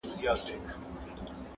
خپل خو به خپل وي بېګانه به ستا وي-